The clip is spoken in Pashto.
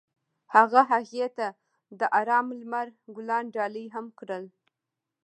هغه هغې ته د آرام لمر ګلان ډالۍ هم کړل.